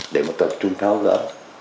để mà tập trung thảo